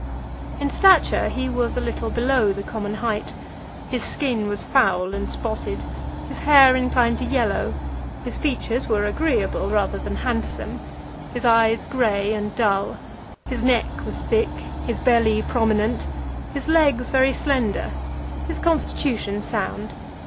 LI. In stature he was a little below the common height; his skin was foul and spotted; his hair inclined to yellow; his features were agreeable, rather than handsome; his eyes grey and dull, his neck was thick, his belly prominent, his legs very slender, his constitution sound.